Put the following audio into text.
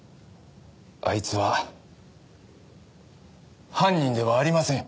あいつは犯人ではありません。